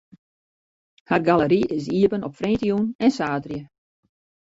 Har galery is iepen op freedtejûn en saterdei.